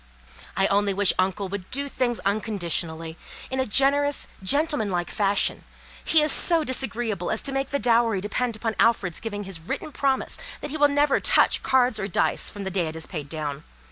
I only wish uncle would do things unconditionally, in a generous, gentleman like fashion; he is so disagreeable as to make the dowry depend on Alfred's giving his written promise that he will never touch cards or dice from the day it is paid down.